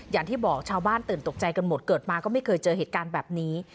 อย่างที่บอกชาวบ้านตื่นตกใจกันหมดเกิดมาก็ไม่เคยเจอเหตุการณ์แบบนี้